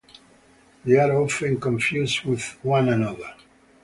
They are often confused with one another.